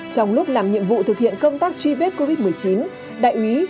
trong lúc làm nhiệm vụ thực hiện công tác truy vết covid một mươi chín